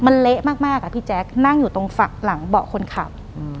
มันเละมากอะพี่แจ๊คนั่งอยู่ตรงหลังเบาะคนขับ